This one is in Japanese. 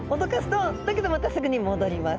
だけどまたすぐに戻ります。